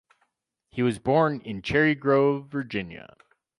He was born in Cherry Grove, Virginia.